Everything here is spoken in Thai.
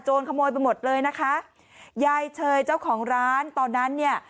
ขโมยไปหมดเลยนะคะยายเชยเจ้าของร้านตอนนั้นเนี่ย